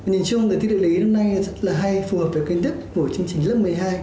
nhìn chung đề thi địa lý hôm nay rất là hay phù hợp với kiến thức của chương trình lớp một mươi hai